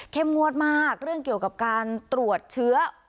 งวดมากเรื่องเกี่ยวกับการตรวจเชื้อ